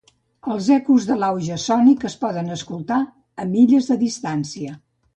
Els ecos d'un auge sònic es poden escoltar a milles de distància.